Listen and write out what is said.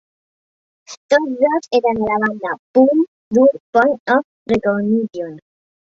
Tots dos eren a la banda punk dur Point of Recognition.